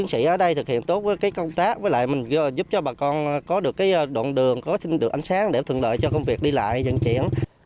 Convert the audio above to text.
giúp cho bà con có được đoạn đường có được ánh sáng để thường đợi cho công việc đi lại diễn triển